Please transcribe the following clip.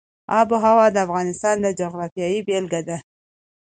آب وهوا د افغانستان د جغرافیې بېلګه ده.